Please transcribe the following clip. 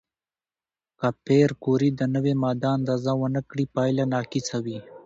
که پېیر کوري د نوې ماده اندازه ونه کړي، پایله ناقصه وي.